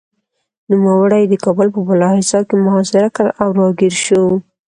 نوموړي یې د کابل په بالاحصار کې محاصره کړ او راګېر شو.